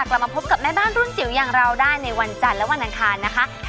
กลับมาพบกับแม่บ้านรุ่นจิ๋วอย่างเราได้ในวันจันทร์และวันอังคารนะคะ